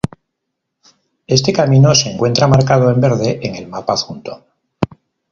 Este camino se encuentra marcado en verde en el mapa adjunto.